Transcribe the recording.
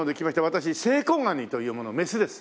私セイコガニという者メスです。